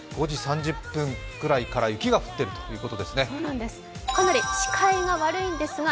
５時３０分ぐらいから雪が降っているということなんですね。